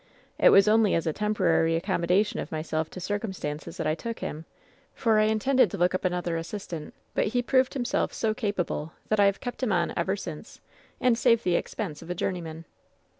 It was only as a temporary accommoda tion of myself to circumstances that I took him, for I intended to look up another assistant, but he proved him self so capable that I have kept him on ever since, and saved the expense of a journeyman.''